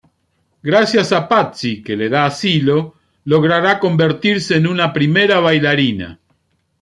Gracias a Patsy, que le da asilo, logrará convertirse en una primera bailarina.